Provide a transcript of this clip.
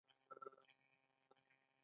د ډېرو د وس او توان خبره نه وه.